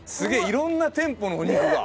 いろんな店舗のお肉が。